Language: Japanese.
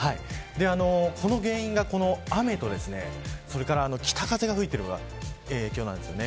その原因は雨と北風が吹いている影響です。